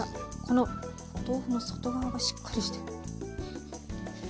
このお豆腐も外側がしっかりしてる。